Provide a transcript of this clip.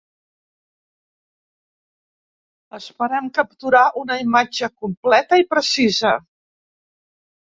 Esperem capturar una imatge completa i precisa.